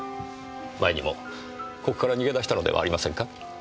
前にもここから逃げ出したのではありませんか？